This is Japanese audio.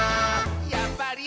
「やっぱり！